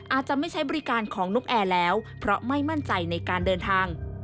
อาจจะไม่ใช้บริการของนกแอร์แล้วเพราะไม่มั่นใจในการเดินทาง